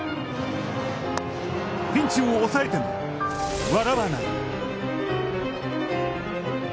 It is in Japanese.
ピンチを抑えても、笑わない。